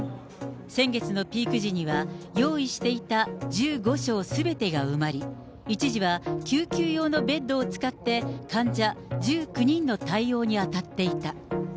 先月のピーク時には、用意していた１５床すべてが埋まり、一時は救急用のベッドを使って、患者１９人の対応に当たっていた。